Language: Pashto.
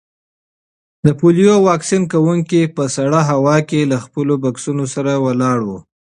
د پولیو واکسین کونکي په سړه هوا کې له خپلو بکسونو سره ولاړ وو.